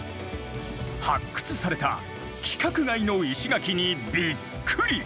発掘された規格外の石垣にびっくり！